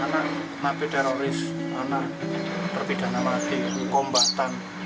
narapidana terorisme anak terpidana mati kombatan